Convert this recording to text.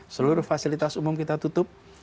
seluruh fasilitas umum kita tutup